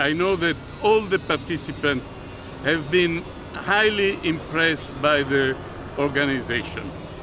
dan saya tahu semua penonton telah sangat terkesan oleh organisasi